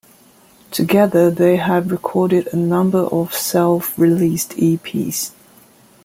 Together they have recorded a number of self-released eps.